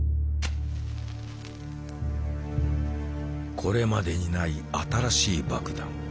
これまでにない新しい爆弾。